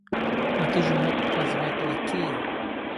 Но ты же мог позвать лакея!